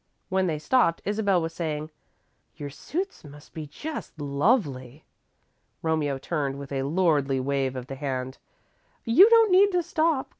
When they stopped, Isabel was saying: "Your suits must be just lovely." Romeo turned with a lordly wave of the hand. "You don't need to stop.